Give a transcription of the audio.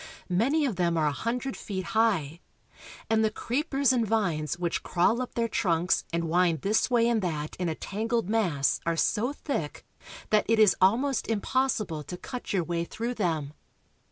Many of them are a hundred feet high, and the creepers and vines which crawl up their trunks and wind this way and that in a tangled mass are so thick that it is almost impossible to cut your way through them.